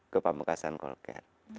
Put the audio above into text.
ke pamekasan call care